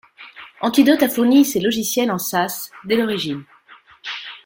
Antidot a fourni ses logiciels en SaaS dès l'origine.